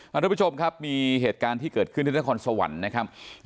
ทุกผู้ชมครับมีเหตุการณ์ที่เกิดขึ้นที่นครสวรรค์นะครับ